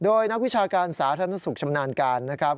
โดยนักวิชาการสาธารณสุขชำนาญการนะครับ